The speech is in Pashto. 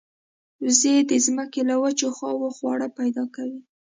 وزې د زمکې له وچو خواوو خواړه پیدا کوي